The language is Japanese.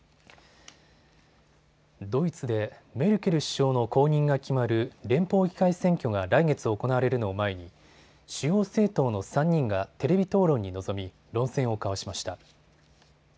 ドイツでメルケル首相の後任が決まる連邦議会選挙が来月行われるのを前に主要政党の３人がテレビ討論に臨み、論戦を交わしました。